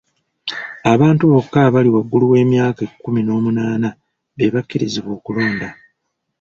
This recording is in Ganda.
Abantu bokka abali waggulu w'emyaka ekkumi n'omunaana be bakkirizibwa okulonda.